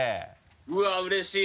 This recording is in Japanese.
うわっうれしい。